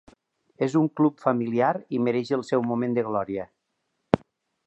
És un club familiar i mereix el seu moment de glòria.